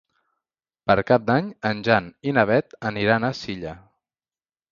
Per Cap d'Any en Jan i na Beth aniran a Silla.